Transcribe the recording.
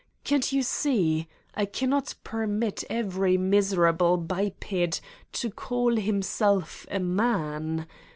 Can't you see: I cannot permit every miserable biped to call himself a man.